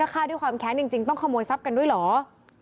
ฆ่าด้วยความแค้นจริงต้องขโมยทรัพย์กันด้วยเหรอ